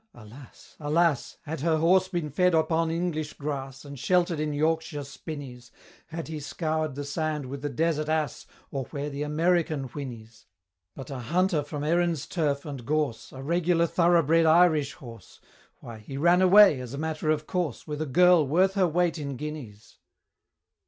alas! alas! Had her horse been fed upon English grass, And shelter'd in Yorkshire spinneys, Had he scour'd the sand with the Desert Ass, Or where the American whinnies But a hunter from Erin's turf and gorse, A regular thoroughbred Irish horse, Why, he ran away, as a matter of course, With a girl worth her weight in guineas!